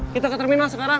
kita ke terminal sekarang